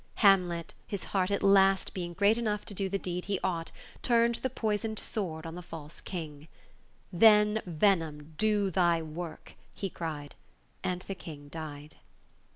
Hamlet, his heart at last being great enough to do the deed he ought, turned the poisoned sword on the false King. TWELFTH NIGHT. 49 "Then — venom — do thy work !" he cried, and the King died.